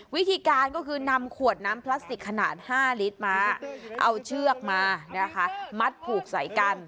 วิธีการก็คือนำขวดน้ำพลาสติกขนาด๕ลิตรมาเอาเชือกมานะคะมัดผูกใส่กัน